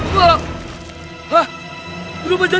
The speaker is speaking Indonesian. pak ada allah